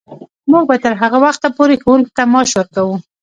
موږ به تر هغه وخته پورې ښوونکو ته معاش ورکوو.